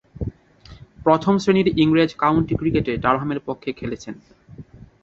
প্রথম-শ্রেণীর ইংরেজ কাউন্টি ক্রিকেটে ডারহামের পক্ষে খেলছেন।